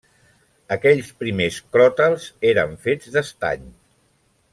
Aquells primers cròtals eren fets d'estany.